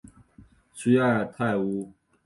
屈埃泰乌。